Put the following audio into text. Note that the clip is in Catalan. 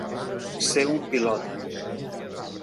Ser un pilota.